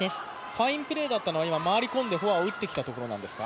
ファインプレーだったのは、回り込んでフォアを打ってきたところなんですか。